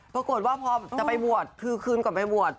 ก็ตกละว่าจะไปบุวดคือเคิ้นก่อนก็ไปบุวด